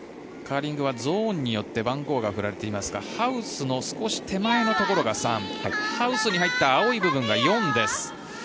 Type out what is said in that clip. カーリングはゾーンによって番号が振られていますがハウスの少し手前のところが３ハウスに入った青い部分が４です。